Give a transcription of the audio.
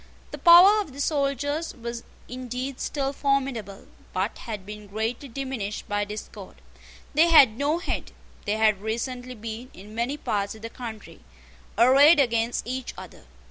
The power of the soldiers was indeed still formidable, but had been greatly diminished by discord. They had no head. They had recently been, in many parts of the country, arrayed against each other.